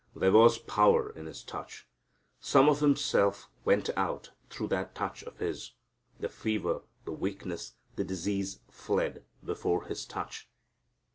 There was power in His touch. Some of Himself went out through that touch of His. The fever, the weakness, the disease fled before His touch.